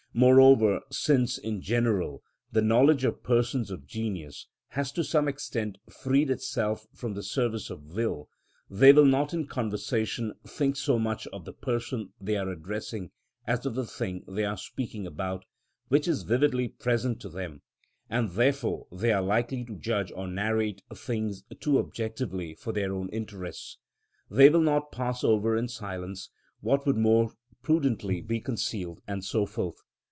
Moreover, since, in general, the knowledge of persons of genius has to some extent freed itself from the service of will, they will not in conversation think so much of the person they are addressing as of the thing they are speaking about, which is vividly present to them; and therefore they are likely to judge or narrate things too objectively for their own interests; they will not pass over in silence what would more prudently be concealed, and so forth.